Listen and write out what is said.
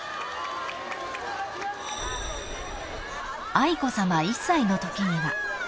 ［愛子さま１歳のときには］